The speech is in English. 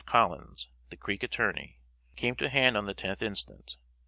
Collins, the Creek attorney, came to hand on the tenth instant.